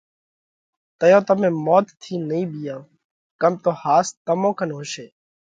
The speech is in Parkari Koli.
تئيون تمي موت ٿِي نئين ٻِيئائو ڪم تو ۿاس تمون ڪنَ هوشي۔